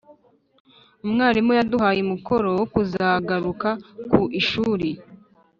umwarimu yaduhaye umukoro wo kuzagaruka ku ishuri